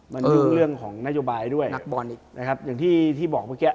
มันยุ่งเรื่องของนโยบายด้วยนักบอลอีกนะครับอย่างที่ที่บอกเมื่อกี้